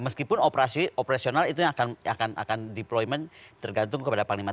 meskipun operasional itu yang akan deployment tergantung kepada panglima tni